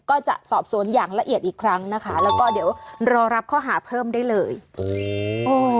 ก็จะสอบสวนอย่างละเอียดอีกครั้งนะคะแล้วก็เดี๋ยวรอรับข้อหาเพิ่มได้เลยโอ้ย